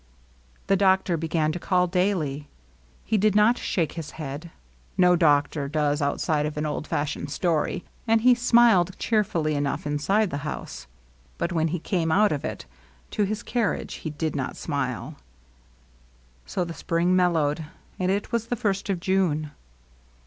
The doctor began to call daily. He did not shake his head, — no doctor does outside of an old fash ioned story, — and he smiled cheerfully enough inside the house ; but when he came out of it, to his carriage, he did not snule. So the spring mel lowed, and it was the first of June.